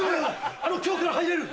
今日から入れる？